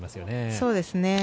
そうですね。